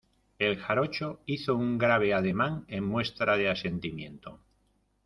el jarocho hizo un grave ademán en muestra de asentimiento: